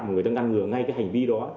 mà người ta ngăn ngừa ngay cái hành vi đó